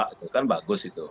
itu kan bagus itu